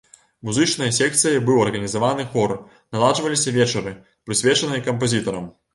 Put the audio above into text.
Музычнай секцыяй быў арганізаваны хор, наладжваліся вечары, прысвечаныя кампазітарам.